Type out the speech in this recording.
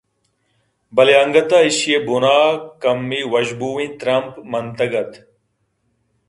بلےانگت ءَ ایشی ءِ بُنءَکمّے وژبوئیں ترٛمپ منتگ اَت